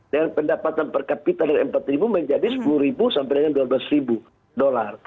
dengan pendapatan per kapital dari empat ribu menjadi sepuluh ribu sampai dua belas ribu dolar